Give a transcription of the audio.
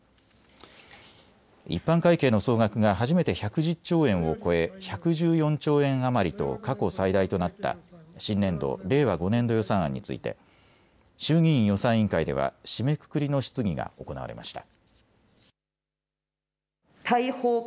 一般会計の総額が初めて１１０兆円を超え１１４兆円余りと過去最大となった新年度・令和５年度予算案について衆議院予算委員会では締めくくりの質疑が行われました。